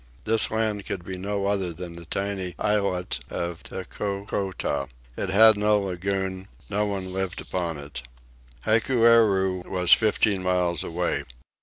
This land could be no other than the tiny islet of Takokota. It had no lagoon. No one lived upon it. Hikueru was fifteen miles away.